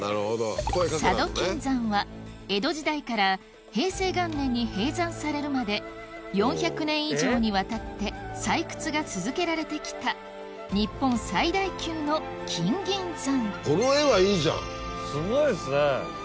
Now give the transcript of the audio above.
佐渡金山は江戸時代から平成元年に閉山されるまで４００年以上にわたって採掘が続けられてきた日本最大級の金銀山すごいですね！